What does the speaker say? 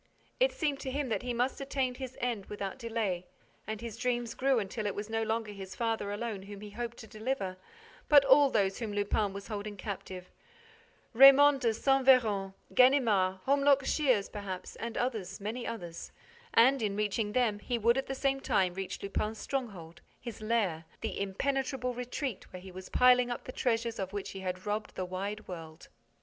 It seemed to him that he must attain his end without delay and his dreams grew until it was no longer his father alone whom he hoped to deliver, but all those whom Lupin was holding captive: Raymonde de Saint Véran, Ganimard, Holmlock Shears, perhaps, and others, many others; and, in reaching them, he would, at the same time, reach Lupin's stronghold, his lair, the impenetrable retreat where he was piling up the treasures of which he had robbed the wide world.